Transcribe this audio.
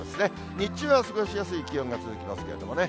日中は過ごしやすい気温が続きますけれどもね。